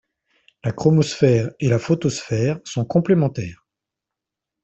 La chromosphère et la photosphère sont complémentaires.